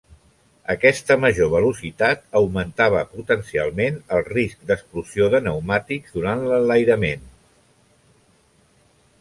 Aquesta major velocitat augmentava potencialment el risc d'explosió de pneumàtics durant l'enlairament.